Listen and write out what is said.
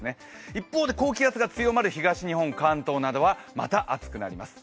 一方で高気圧が強まる東日本、関東などはまた暑くなります。